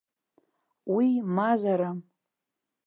Уи мазарам!